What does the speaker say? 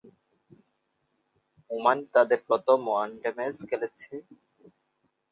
Oman তাদের প্রথম one day match খেলেছে।